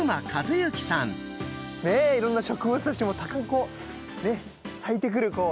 いろんな植物たちもたくさんこうね咲いてくる時期。